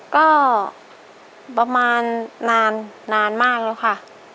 ก็ประมาณนานมากแล้วค่ะ